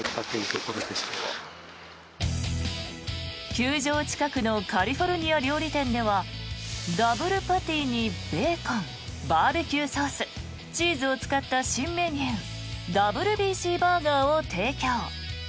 球場近くのカリフォルニア料理店ではダブルパティにベーコンバーベキューソースチーズを使った新メニューＷＢＣバーガーを提供。